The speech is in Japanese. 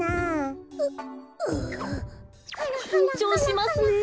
きんちょうしますねえ。